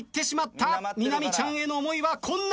みなみちゃんへの思いはこんなもんなのか！？